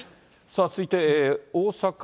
さあ、続いて、大阪、